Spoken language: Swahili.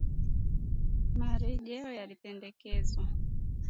Marejeleo yalipendekezwa